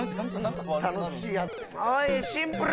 おいシンプル！